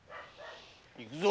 行くぞ！